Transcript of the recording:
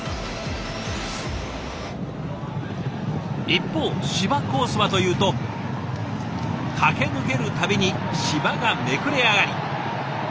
一方芝コースはというと駆け抜ける度に芝がめくれ上がり。